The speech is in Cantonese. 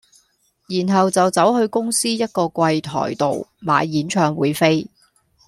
然後就走去公司一個櫃檯度買演唱會飛